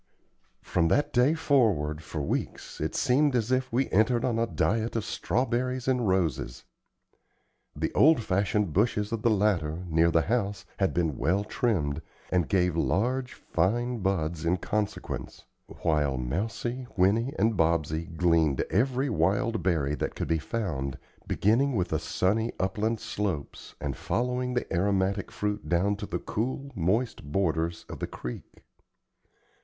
From that day forward, for weeks, it seemed as if we entered on a diet of strawberries and roses. The old fashioned bushes of the latter, near the house, had been well trimmed, and gave large, fine buds in consequence, while Mousie, Winnie, and Bobsey gleaned every wild berry that could be found, beginning with the sunny upland slopes and following the aromatic fruit down to the cool, moist borders of the creek.